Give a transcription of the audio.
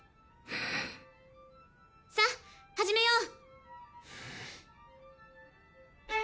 さっ始めよう。